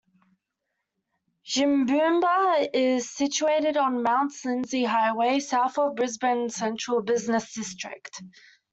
Jimboomba is situated on the Mount Lindesay Highway, south of Brisbane central business district.